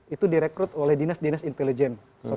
itu direkrut oleh dinas dinas intelijen